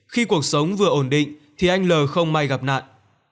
khi cuộc sống vừa ổn định thì anh l không may gặp nạn